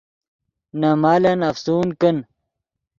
نے مالن افسون کن